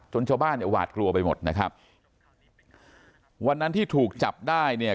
ชาวบ้านเนี่ยหวาดกลัวไปหมดนะครับวันนั้นที่ถูกจับได้เนี่ย